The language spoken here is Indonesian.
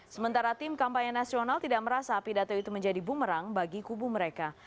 sementara tim kampanye nasional tidak merasa pidato itu menjadi bumerang bagi kubu mereka